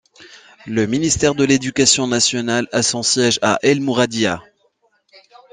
Le Ministère de l'Éducation nationale a son siège à El Mouradia.